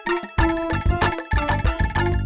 ini tempatmu sosial sangat baik